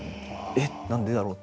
「えっ？何でだろう？」